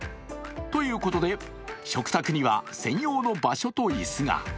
ということで、食卓には専用の場所と椅子が。